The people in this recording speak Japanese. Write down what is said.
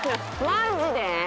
マジで？